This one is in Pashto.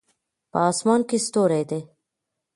په اسمان کې ستوری ده